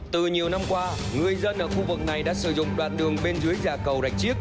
từ nhiều năm qua người dân ở khu vực này đã sử dụng đoạn đường bên dưới già cầu rạch chiếc